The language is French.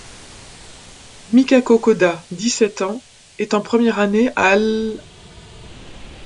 Mikako Kōda, dix-sept ans, est en première année à l'.